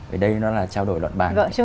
ở đây nó là trao đổi luận bàn